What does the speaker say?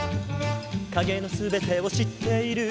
「影の全てを知っている」